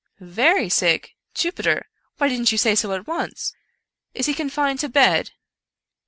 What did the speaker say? Very sick, Jupiter! — why didn't you say so at once? Is he confined to bed